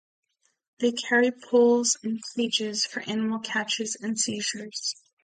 They carry poles and cages for animal catches and seizures.